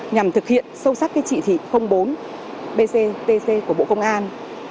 nhằm thực hiện sâu sắc cái trị thị bốn bctc của bộ công an